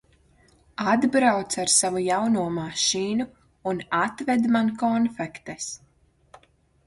Atbrauc ar savu jauno mašīnu un atved man konfektes.